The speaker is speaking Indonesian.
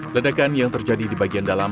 ledakan yang terjadi di bagian dalam